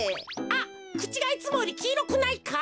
あっくちがいつもよりきいろくないか？